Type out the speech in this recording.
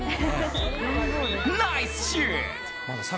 ナイスシュート！